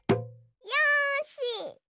よし！